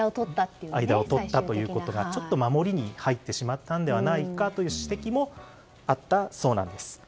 間をとったということがちょっと守りに入ってしまったのではないかという指摘もあったそうです。